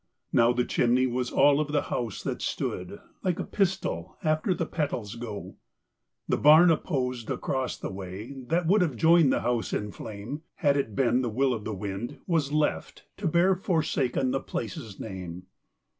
Now the chimney was all of the house stood. Like a pistil after the petals go. that rhe bam opposed across the way, That would have Joined the house in flame Had it been the will of the wind, was left To bear forsaken the place's name.